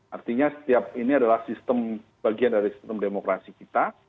artinya setiap ini adalah sistem bagian dari sistem demokrasi kita